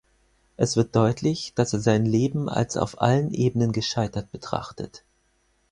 Es wird deutlich, dass er sein Leben als auf allen Ebenen gescheitert betrachtet.